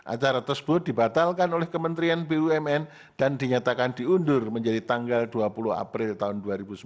acara tersebut dibatalkan oleh kementerian bumn dan dinyatakan diundur menjadi tanggal dua puluh april tahun dua ribu sembilan belas